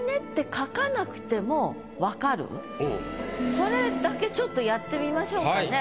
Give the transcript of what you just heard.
それだけちょっとやってみましょうかね。